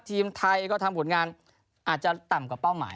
ทีมไทยก็ทำผลงานอาจจะต่ำกว่าเป้าหมาย